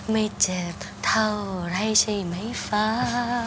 ไม่เจ็บเท่าไรใช่ไหมฟ้า